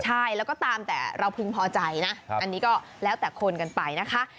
ใช่แล้วก็ตามแต่เราพึงพอใจนะอันนี้ก็แล้วแต่คนกันไปนะคะ